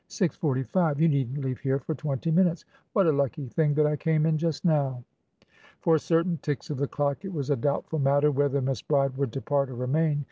Six forty five? You needn't leave here for twenty minutes. What a lucky thing that I came in just now." For certain ticks of the clock it was a doubtful matter whether Miss Bride would depart or remain.